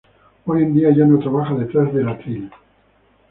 Hoy en día ya no trabaja detrás del atril.